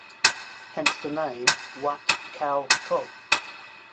Hence the name "Wat Khao Kob".